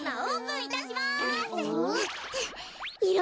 いろ